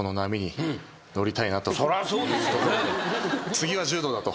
次は柔道だと。